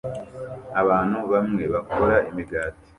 Abantu bamwe bakora imigati